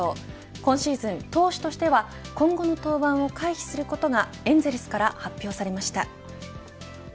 今シーズン、投手としては今後の登板を回避することがエンゼルスから発表されました。